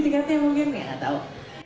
dikatanya mungkin nggak tau